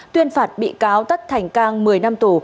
tuyên phạt bị cáo tất thành cang một mươi năm tù